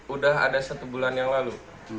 udah ada satu bulan yang lalu